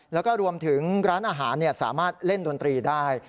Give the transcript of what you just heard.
แล้วก็รวมถึงร้านอาหารสามารถเล่นดนตรีได้